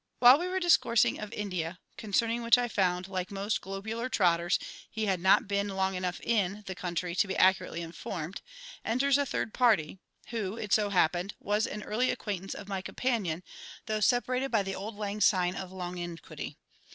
While we were discoursing of India (concerning which I found that, like most globular trotters, he had not been long enough in the country to be accurately informed), enters a third party, who, it so happened, was an early acquaintance of my companion, though separated by the old lang sign of a longinquity.